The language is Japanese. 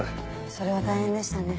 それは大変でしたね。